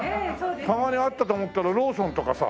たまにあったと思ったらローソンとかさ。